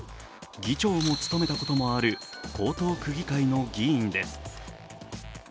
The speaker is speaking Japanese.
議長も務めたこともある江東区議会の議員です。